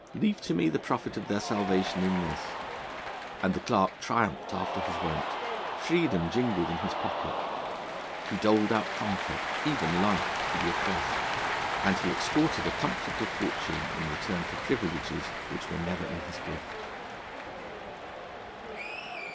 Leave to me the profit of their salvation in this.' And the Clerk triumphed after his wont: freedom jingled in his pocket; he doled out comfort, even life, to the oppressed; and he extorted a comfortable fortune in return for privileges which were never in his gift.